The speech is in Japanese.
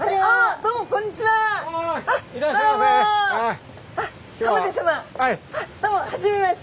どうも初めまして。